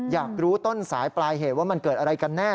อยากรู้ต้นสายปลายเหตุว่ามันเกิดอะไรกันแน่